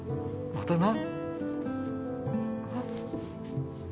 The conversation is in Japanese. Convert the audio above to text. またな。